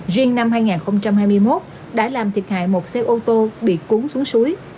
riêng năm hai nghìn hai mươi một đã làm thiệt hại một xe ô tô bị cuốn xuống suối